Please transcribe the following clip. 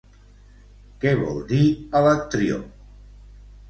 Què vol dir Alectrió?